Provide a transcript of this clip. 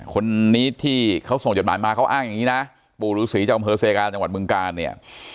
คนนี้ที่เขาส่งจดหมายมาเขาอ้างอย่างนี้นะปู่ฤษีจากอำเภอเซกาจังหวัดบึงกาลเนี่ย